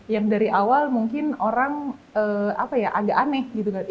yang dari awal mungkin orang agak aneh gitu kan